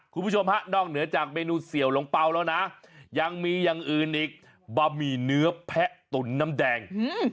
คุณผู้ชมฮะนอกเหนือจากเมนูเสี่ยวหลงเปล่าแล้วนะยังมีอย่างอื่นอีกบะหมี่เนื้อแพะตุ๋นน้ำแดง